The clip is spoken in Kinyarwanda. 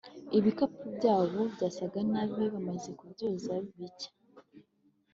ibikapu byabo byasaga nabi bamaze kubyoza bicya